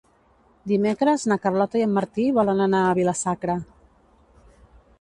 Dimecres na Carlota i en Martí volen anar a Vila-sacra.